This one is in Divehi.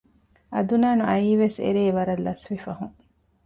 އަދުނާނު އައީވެސް އެރޭ ވަރަށް ލަސްވީ ފަހުން